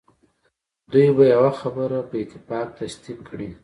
دوی به یوه خبره په اتفاق تصدیق کړي.